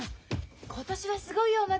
今年はすごいよお祭り。